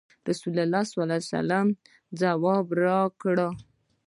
رسول الله صلی الله علیه وسلم ځواب راکړ.